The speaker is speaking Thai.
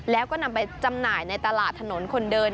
แล้วก็นำไปจำหน่ายในตลาดถนนคนเดิน